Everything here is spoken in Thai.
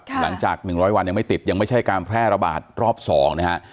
หลังจาก๑๐๐วันยังไม่ติดยังไม่ใช่การแพร่ระบาดรอบ๒นะฮะ